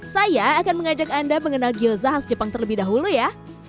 saya akan mengajak anda mengenal gyoza khas jepang terlebih dahulu ya